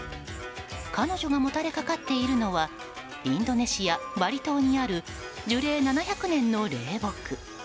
彼女がもたれかかっているのはインドネシア・バリ島にある樹齢７００年の霊木。